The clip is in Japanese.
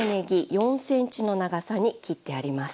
４ｃｍの長さに切ってあります。